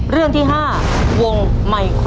เรื่องที่๕วงไมโคร